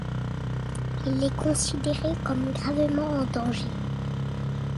Il est considéré comme gravement en danger.